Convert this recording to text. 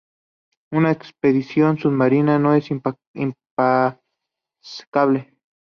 Una expedición submarina no es impecable.